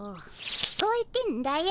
聞こえてんだよ。